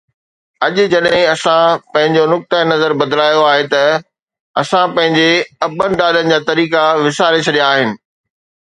اڄ جڏهن اسان پنهنجو نقطه نظر بدلايو آهي ته اسان پنهنجي ابن ڏاڏن جا طريقا وساري ڇڏيا آهن